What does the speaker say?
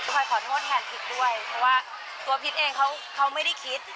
พลอยขอโทษแทนพิษด้วยเพราะว่าตัวพิษเองเขาไม่ได้คิด